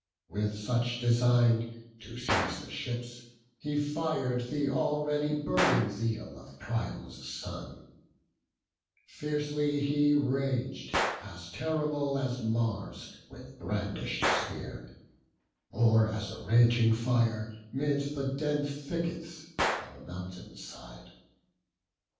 With such design, to seize the ships, he fir'd Th' already burning zeal of Priam's son; Fiercely he rag'd, as terrible as Mars With brandish'd spear; or as a raging fire 'Mid the dense thickets on the mountain side.